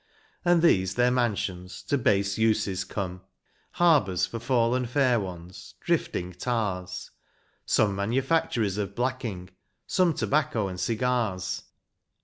And these their mansions, to base uses come, — Harbours for fallen fair ones, drifting tars; Some manufactories of IjJacking, some Tobacco and cigars.